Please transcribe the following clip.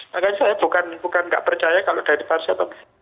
makanya saya bukan nggak percaya kalau dari paracetamol